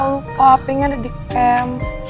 lupa ping ada di camp